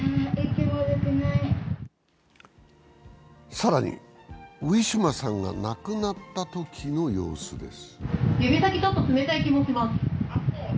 更にウィシュマさんが亡くなったときの様子です。